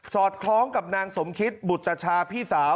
อดคล้องกับนางสมคิตบุตชาพี่สาว